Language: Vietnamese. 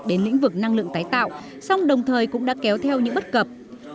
đến lĩnh vực năng lượng tái tạo xong đồng thời cũng đã kéo theo những bất cập